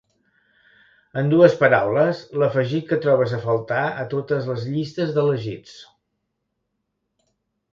En dues paraules, l'afegit que trobes a faltar a totes les llistes d'elegits.